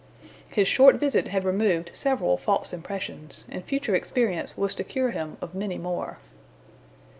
His short visit had removed several false impressions, and future experience was to cure him of many more.